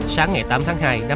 sáng ngày tám tháng hai